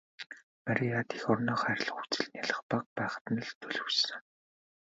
Марияд эх орноо хайрлах үзэл нялх бага байхад нь л төлөвшсөн.